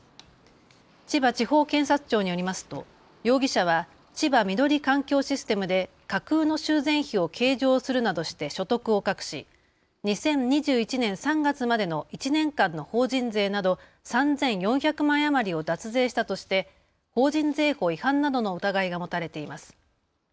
千葉地方検察庁によりますと容疑者は千葉緑環境システムで架空の修繕費を計上するなどして所得を隠し２０２１年３月までの１年間の法人税など３４００万円余りを脱税したとして法人税法違反などの疑いが持たれています。